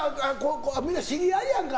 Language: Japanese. みんな知り合いやんか。